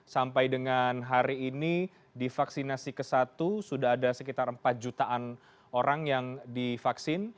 sampai dengan hari ini di vaksinasi ke satu sudah ada sekitar empat jutaan orang yang divaksin